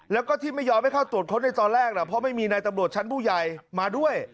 แล้วก็ที่ไม่ยอมให้เข้าตรวจค้นในตอนแรกนะเพราะไม่มีนายตำรวจชั้นผู้ใหญ่มาด้วย